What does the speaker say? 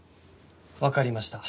わかりました。